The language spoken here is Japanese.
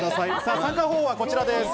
参加方法はこちらです。